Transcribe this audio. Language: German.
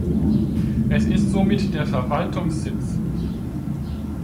Es ist somit der Verwaltungssitz.